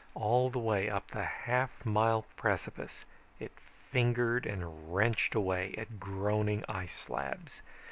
All the way up the half mile precipice it fingered and wrenched away at groaning ice slabs.